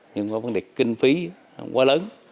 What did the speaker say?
nhưng có vấn đề kinh phí quá lớn